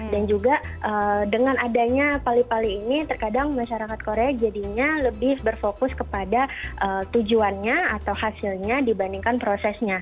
dan juga dengan adanya pali pali ini terkadang masyarakat korea jadinya lebih berfokus kepada tujuannya atau hasilnya